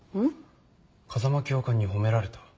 風間教官に褒められた。